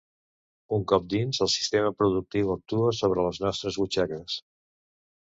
Un cop dins, el sistema productiu actua sobre les nostres butxaques.